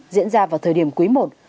diễn ra vào thời điểm cuối một